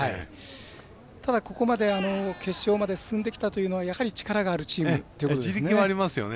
ただ、ここまで決勝まで進んできたというのはやはり力があるチームということですよね。